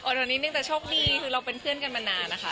เดี๋ยวนิดนึงแต่โชคดีคือเราเป็นเพื่อนกันมานานนะคะ